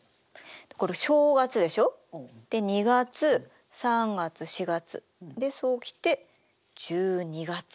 これ正月でしょで２月３月４月でそう来て１２月。